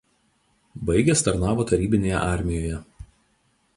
Baigęs tarnavo tarybinėje armijoje.